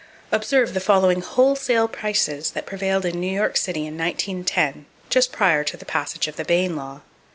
Observe the following wholesale prices that prevailed in New York city in 1910, just prior to the passage of the Bayne law.